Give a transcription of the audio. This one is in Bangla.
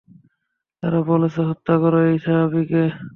তারা বলছে, হত্যা কর এই সাবীকে।